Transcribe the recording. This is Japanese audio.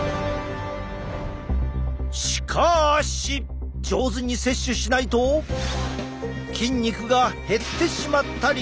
しかし上手に摂取しないと筋肉が減ってしまったり！